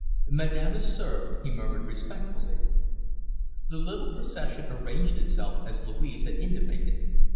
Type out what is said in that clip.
"Madame is served," he murmured respectfully. The little procession arranged itself as Louise had intimated.